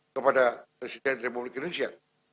kepada presiden republik indonesia